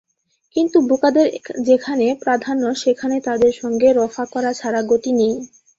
কিন্তু বোকাদের যেখানে প্রধান্য সেখানে তাদের সঙ্গে রফা করা ছাড়া গতি নেই।